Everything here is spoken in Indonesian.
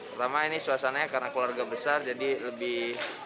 pertama ini suasananya karena keluarga besar jadi lebih